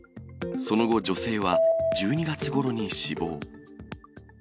その後、女性は１２月ごろに死亡。